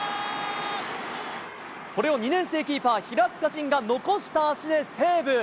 これを２年生キーパー、平塚仁が残した足でセーブ。